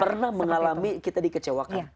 pernah mengalami kita dikecewakan